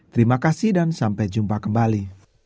terima kasih dan sampai jumpa kembali